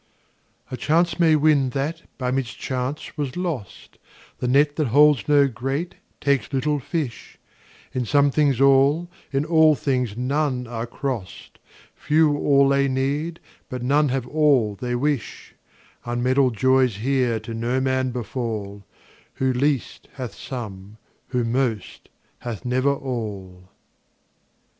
A chance may win that by mischance was lost; The net that holds no great, takes little fish; 20 In some things all, in all things none are crost, Few all they need, but none have all they wish; Unmeddled joys here to no man befall: Who least, hath some; who most, hath never all.